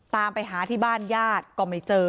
ตามไปหาที่บ้านญาติก็ไม่เจอ